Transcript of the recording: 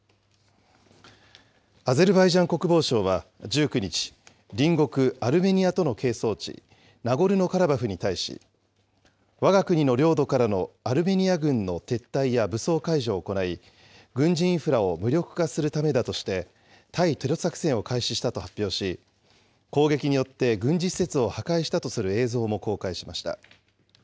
アゼルバイジャン国防省は１９日、隣国アルメニアとの係争地、ナゴルノカラバフに対し、わが国の領土からのアルメニア軍の撤退や武装解除を行い、軍事インフラを無力化するためだとして、対テロ作戦を開始したと発表し、攻撃によって軍事施設を破壊したとする映像も公開しました。